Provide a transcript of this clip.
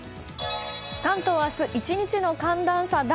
関東は明日、１日の寒暖差大。